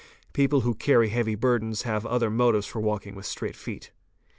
People who carry heavy burdens have other notives for walking with straight feet.